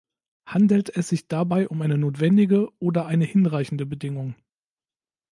Handelt es sich dabei um eine notwendige oder eine hinreichende Bedingung?